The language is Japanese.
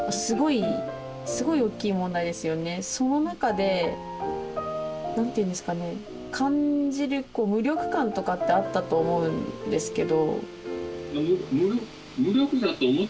その中で何て言うんですかね感じる無力感とかってあったと思うんですけど。